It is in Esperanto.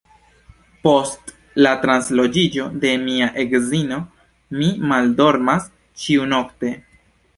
Post la transloĝiĝo de mia edzino mi maldormas ĉiunokte.